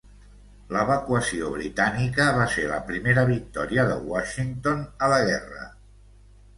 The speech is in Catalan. L'evacuació britànica va ser la primera victòria de Washington a la guerra.